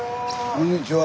こんにちは！